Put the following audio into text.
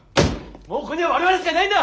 もうここには我々しかいないんだ！